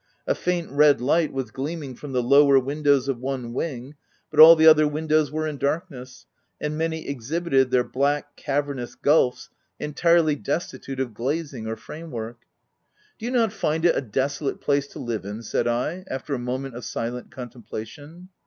A faint, red light was gleaming from the lower windows of OF WILDFELL HALL. 103 one wing ; but all the other windows were in darkness, and many exhibited their black, cavernous gulfs, entirely destitute of glazing or frame work. " Do you not find it a desolate place to live in?" said I, after a moment of silent con templation.